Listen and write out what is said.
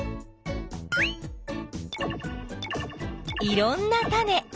いろんなタネ。